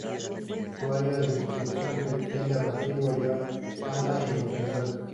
Su área de distribución se extiende por Brasil, Guyana y Venezuela.